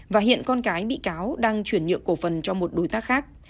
và hiện con cái bị cáo đang chuyển nhựa cổ phần